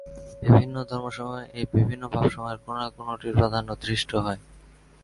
বিভিন্ন ধর্মসমূহে এই বিভিন্ন ভাবসমূহের কোন-না-কোনটির প্রাধান্য দৃষ্ট হয়।